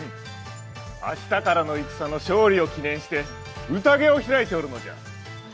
明日からの戦の勝利を祈念してうたげを開いているんだ。